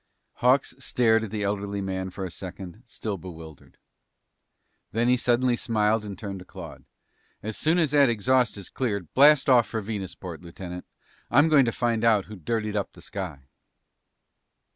Hawks stared at the elderly man for a second, still bewildered. Then he suddenly smiled and turned to Claude. "As soon as that exhaust is cleared, blast off for Venusport, Lieutenant. I'm going to find out who dirtied up the sky!"